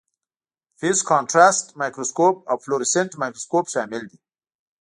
فیز کانټرسټ مایکروسکوپ او فلورسینټ مایکروسکوپ شامل دي.